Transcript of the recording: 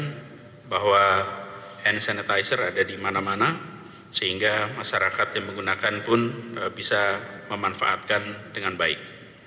saya sampaikan bahwa hand sanitizer ada di mana mana sehingga masyarakat yang menggunakan pun bisa memanfaatkan dengan baik